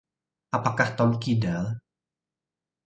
Apakah Tom kidal?